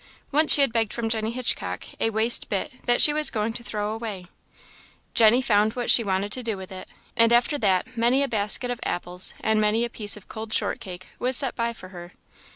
Once she had begged from Jenny Hitchcook a waste bit that she was going to throw away; Jenny found what she wanted to do with it, and after that, many a basket of apples and many a piece of cold short cake was set by for her.